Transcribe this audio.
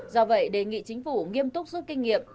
do vậy đề nghị chính phủ nghiêm túc rút kinh nghiệm